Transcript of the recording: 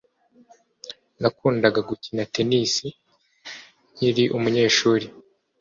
Nakundaga gukina tennis nkiri umunyeshuri.